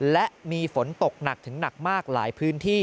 และมีฝนตกหนักถึงหนักมากหลายพื้นที่